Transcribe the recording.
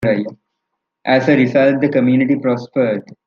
As a result, the community prospered.